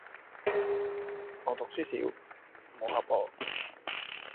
我讀書少，唔好翕我